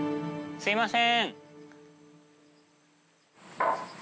すみません。